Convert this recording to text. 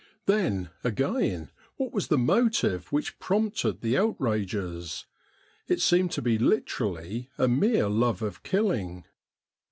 Then, again, what was the motive which prompted the outrages ? It seemed to be literally a mere love of killing.